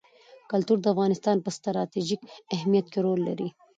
کلتور د افغانستان په ستراتیژیک اهمیت کې رول لري.